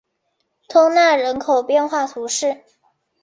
通讷人口变化图示